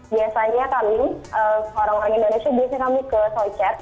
biasanya kami orang orang indonesia biasanya kami ke soicet